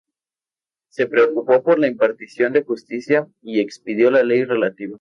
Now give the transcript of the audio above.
Se preocupó por la impartición de justicia y expidió la ley relativa.